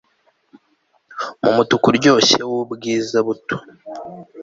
mumutuku uryoshye wubwiza buto